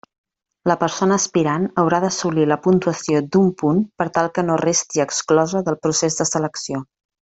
La persona aspirant haurà d'assolir la puntuació d'un punt per tal que no resti exclosa del procés de selecció.